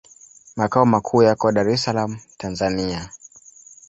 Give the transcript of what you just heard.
Makao makuu yako Dar es Salaam, Tanzania.